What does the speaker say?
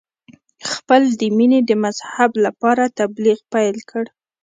خپل د مینې د مذهب لپاره تبلیغ پیل کړ.